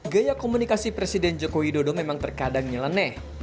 gaya komunikasi presiden jokowi dodo memang terkadang nyelaneh